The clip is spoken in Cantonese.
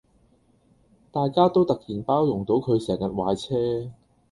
大家都突然包容到佢成日壞車